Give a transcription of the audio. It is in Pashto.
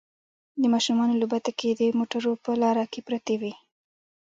د ماشومانو لوبتکې د موټر په لاره کې پرتې وي